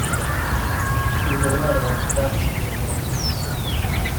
He was a right-arm fast-medium bowler.